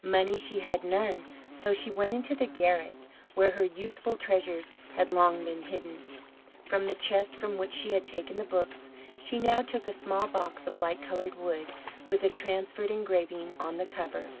Money she had none, so she went into the garret, where her youthful treasures had long been hidden. From the chest from which she had taken the books she now took a small box of light coloured wood, with a transferred engraving on the cover.